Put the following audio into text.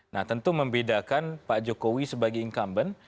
nah tentu membedakan pak jokowi sebagai incumbent